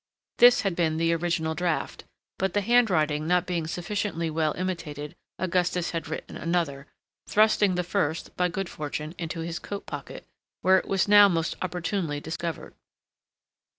This had been the original draught; but the handwriting not being sufficiently well imitated, Augustus had written another, thrusting the first, by good fortune, into his coat pocket, where it was now most opportunely discovered.